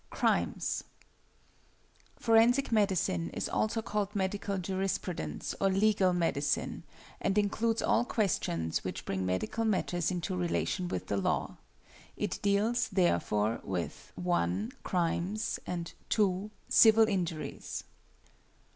CRIMES Forensic medicine is also called Medical Jurisprudence or Legal Medicine, and includes all questions which bring medical matters into relation with the law. It deals, therefore, with (1) crimes and (2) civil injuries.